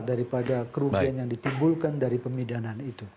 daripada kerugian yang ditimbulkan dari pemidanaan itu